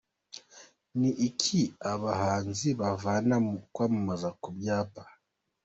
Ni iki abahanzi bavana mu kwamamaza ku byapa?